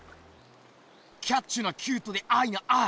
キャッチュなキュートでアイがアイ！